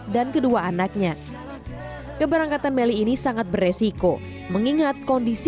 dan menuju ke tempat yang lebih luas